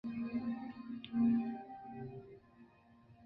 曾任中国人民解放军南京军区空军预科总队总队长兼政委。